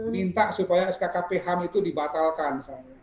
minta supaya skkp ham itu dibatalkan